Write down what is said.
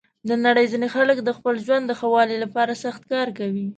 د نړۍ ځینې خلک د خپل ژوند د ښه والي لپاره سخت کار کوي.